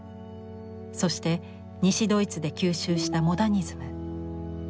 そして西ドイツで吸収したモダニズム。